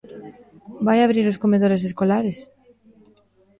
¿Vai abrir os comedores escolares?